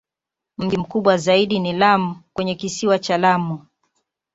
Mji mkubwa zaidi ni Lamu kwenye Kisiwa cha Lamu.